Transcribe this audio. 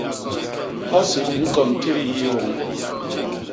Hosi i ñkon titii yéé woñi.